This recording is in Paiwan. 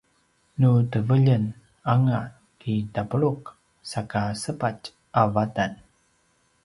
nu teveljen anga ki tapuluq saka sepatj a vatan